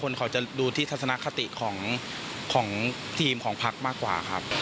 คนเขาจะดูที่ทัศนคติของทีมของพักมากกว่าครับ